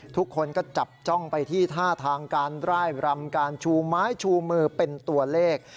ทุกคนก็จับจ้องไปที่ท่าทางการร่ายรำการชูไม้ชูมือเป็นตัวเลข